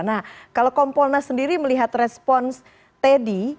nah kalau kompolna sendiri melihat respon teddy